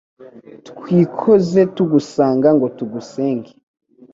Twikoze tugusanga ngo tugusenge